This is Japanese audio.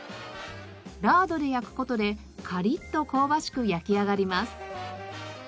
ラードで焼く事でカリッと香ばしく焼き上がります。